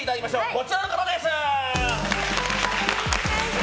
こちらの方です。